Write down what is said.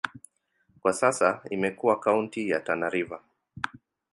Kwa sasa imekuwa kaunti ya Tana River.